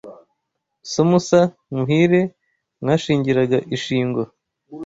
So musa, Muhire wanshingiraga ishingo